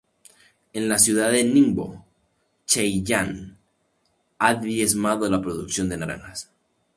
En la ciudad de Ningbo, Zhejiang, ha diezmado la producción de naranjas.